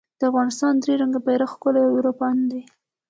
د افغانستان درې رنګه بېرغ ښکلی او رپاند دی